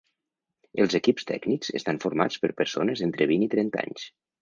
Els equips tècnics estan formats per persones d'entre vint i trenta anys.